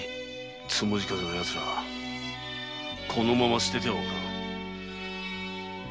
「つむじ風」のヤツらこのまま捨ててはおかん。